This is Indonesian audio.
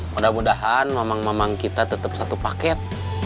mudah mudahan mamang mamang kita tetap satu paket